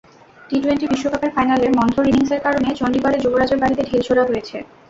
T twenty বিশ্বকাপের ফাইনালে মন্থর ইনিংসের কারণে চণ্ডীগড়ে যুবরাজের বাড়িতে ঢিল ছোড়া হয়েছে।